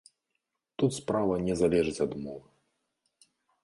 Тут справа не залежыць ад мовы.